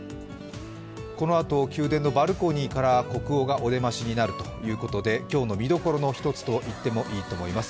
このあと宮殿のバルコニーから国王がお出ましになるということで今日の見どころの一つと言ってもいいと思います。